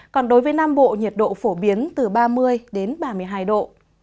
còn đối với nam bộ nhiệt độ phổ biến từ ba mươi đến ba mươi hai độ